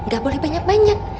gak boleh banyak banyak